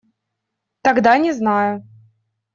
Тогда не знаю.